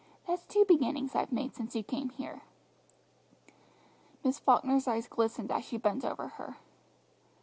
"That's two beginnings I've made since you came here." Miss Falkner's eyes glistened as she bent over her.